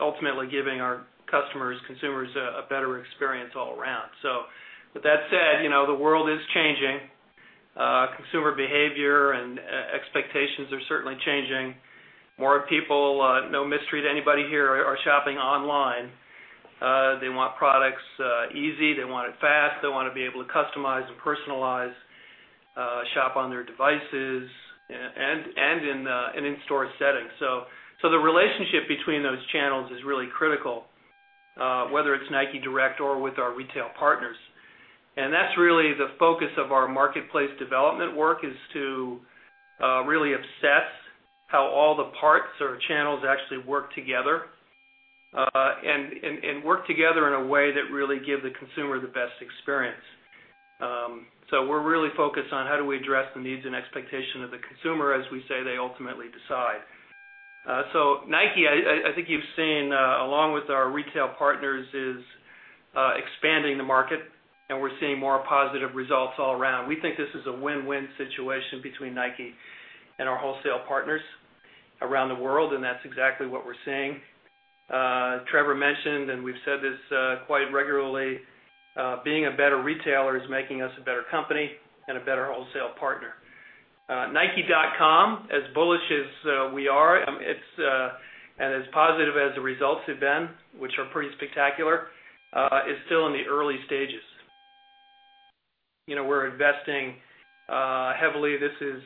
Ultimately giving our customers, consumers a better experience all around. With that said, the world is changing. Consumer behavior and expectations are certainly changing. More people, no mystery to anybody here, are shopping online. They want products easy. They want it fast. They want to be able to customize and personalize, shop on their devices and in an in-store setting. The relationship between those channels is really critical, whether it's Nike Direct or with our retail partners. That's really the focus of our marketplace development work, is to really obsess how all the parts or channels actually work together. Work together in a way that really give the consumer the best experience. We're really focused on how we address the needs and expectation of the consumer. As we say, they ultimately decide. Nike, I think you've seen, along with our retail partners, is expanding the market, and we're seeing more positive results all around. We think this is a win-win situation between Nike and our wholesale partners around the world, and that's exactly what we're seeing. Trevor mentioned, and we've said this quite regularly, being a better retailer is making us a better company and a better wholesale partner. nike.com, as bullish as we are, and as positive as the results have been, which are pretty spectacular, is still in the early stages. We're investing heavily. This is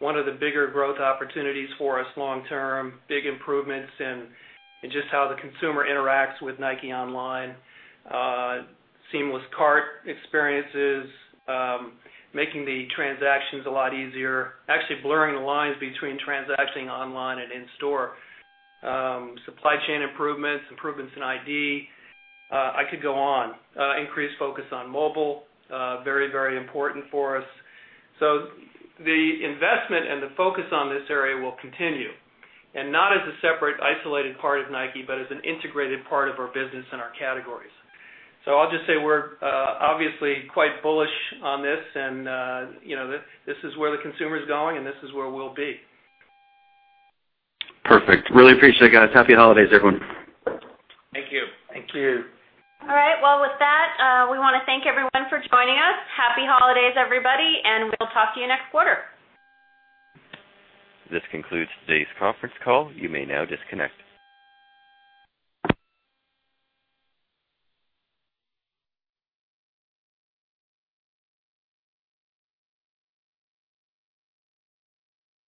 one of the bigger growth opportunities for us long term, big improvements in just how the consumer interacts with Nike online. Seamless cart experiences, making the transactions a lot easier, actually blurring the lines between transacting online and in store. Supply chain improvements in NIKEiD. I could go on. Increased focus on mobile. Very important for us. The investment and the focus on this area will continue, and not as a separate, isolated part of Nike, but as an integrated part of our business and our categories. I'll just say we're obviously quite bullish on this and this is where the consumer's going, and this is where we'll be. Perfect. Really appreciate it, guys. Happy holidays, everyone. Thank you. Thank you. All right. Well, with that, we want to thank everyone for joining us. Happy holidays, everybody, and we'll talk to you next quarter. This concludes today's conference call. You may now disconnect.